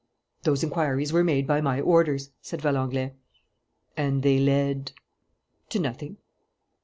"Those inquiries were made by my orders," said Valenglay. "And they led ?" "To nothing."